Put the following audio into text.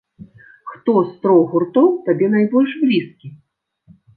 Хто з трох гуртоў табе найбольш блізкі?